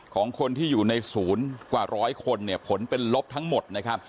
ของคนที่อยู่ในศูนย์กว่าร้อยคนเนี่ยผลเป็นลบทั้งหมดนะครับ